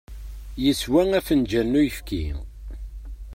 Yeswa afenǧal n uyefki.